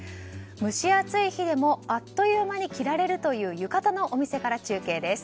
蒸し暑い日でもあっという間に着られるという浴衣のお店から中継です。